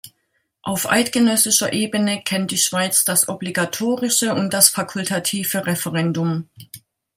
Auf eidgenössischer Ebene kennt die Schweiz das obligatorische und das fakultative Referendum.